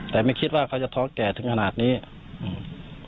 แต่ไม่คิดว่าเขาจะท้องแก่ถึงขนาดนี้อืม